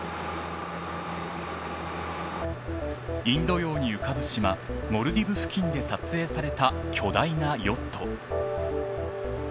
インド洋に浮かぶ島モルディブ付近で撮影された巨大なヨット。